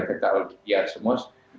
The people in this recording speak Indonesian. kita lihat semua